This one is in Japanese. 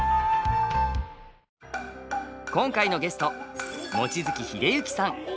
今回のゲスト望月秀幸さん。